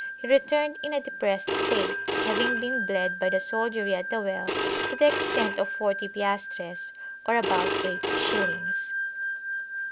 He returned in a depressed state, having been bled by the soldiery at the well to the extent of forty piastres, or about eight shillings.